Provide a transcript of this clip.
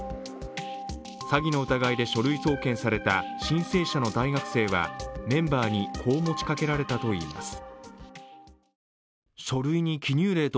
詐欺の疑いで書類送検された申請者の大学生はメンバーにこう持ちかけられたといいます。